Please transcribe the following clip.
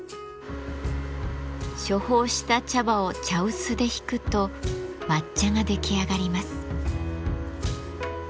処方した茶葉を茶臼でひくと抹茶が出来上がります。